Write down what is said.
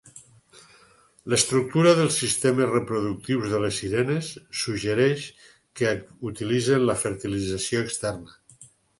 L'estructura dels sistemes reproductius de les sirenes suggereix que utilitzen la fertilització externa.